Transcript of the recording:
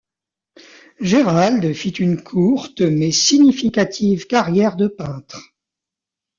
Gerald fit une courte mais significative carrière de peintre.